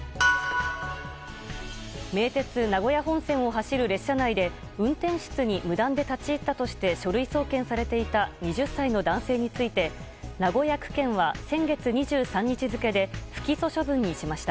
名鉄名古屋本線を走る列車内で運転室に無断で立ち入ったとして書類送検されていた２０歳の男性について名古屋区検は先月２３日付で不起訴処分にしました。